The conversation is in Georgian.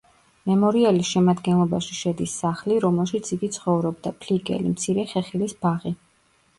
მემორიალის შემადგენლობაში შედის სახლი, რომელშიც იგი ცხოვრობდა, ფლიგელი, მცირე ხეხილის ბაღი.